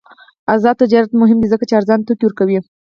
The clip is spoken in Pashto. آزاد تجارت مهم دی ځکه چې ارزان توکي ورکوي.